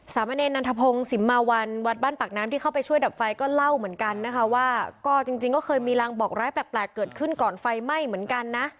มะเนรนันทพงศ์สิมมาวันวัดบ้านปากน้ำที่เข้าไปช่วยดับไฟก็เล่าเหมือนกันนะคะว่าก็จริงก็เคยมีรางบอกร้ายแปลกเกิดขึ้นก่อนไฟไหม้เหมือนกันนะ